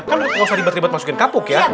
kan nggak usah ribet ribet masukin kapuk ya